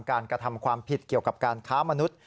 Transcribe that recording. กระทำความผิดเกี่ยวกับการค้ามนุษย์